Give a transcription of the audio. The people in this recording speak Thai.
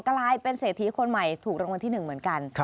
กลายเป็นเศรษฐีคนใหม่ถูกรางวัลที่๑เหมือนกัน